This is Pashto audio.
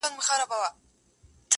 نو دا خو بیا منطقي ارتقا نه شوه